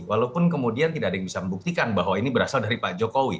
walaupun kemudian tidak ada yang bisa membuktikan bahwa ini berasal dari pak jokowi